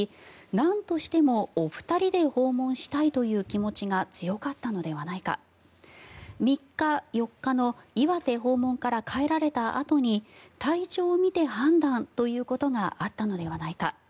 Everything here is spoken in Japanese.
なんとしてもお二人で訪問したいという気持ちが強かったのではないか３日、４日の岩手訪問から帰られたあとに体調を見て判断ということがあったのではないか